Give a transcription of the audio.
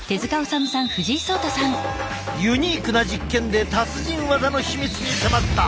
ユニークな実験で達人技の秘密に迫った！